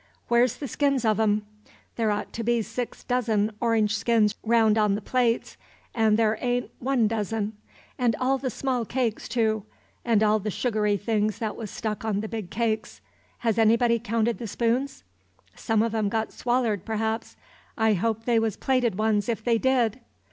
Where's the skins of 'em? There ought to be six dozen orange skins round on the plates, and there a'n't one dozen. And all the small cakes, too, and all the sugar things that was stuck on the big cakes. Has anybody counted the spoons? Some of 'em got swallered, perhaps. I hope they was plated ones, if they did!"